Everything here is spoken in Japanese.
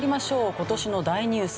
今年の大ニュース